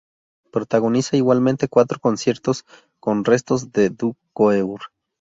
Protagoniza igualmente cuatro conciertos con Restos du Cœur.